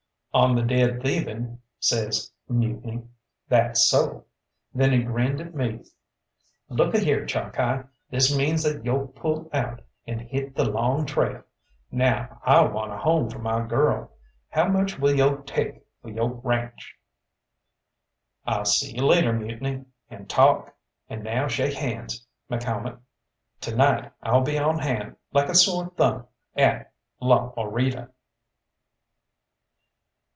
"On the dead thieving," says Mutiny, "that's so!" Then he grinned at me. "Look a here, Chalkeye, this means that yo' pull out and hit the long trail. Now I want a home for my girl. How much will yo' take for yo' ranche?" "I'll see you later, Mutiny, and talk; and now shake hands, McCalmont. To night I'll be on hand like a sore thumb, at La Morita."